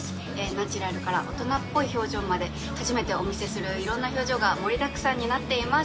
ナチュラルから大人っぽい表情まで初めてお見せするいろんな表情が盛りだくさんになっています。